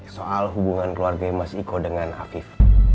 soal hubungan keluarga mas iko dengan afif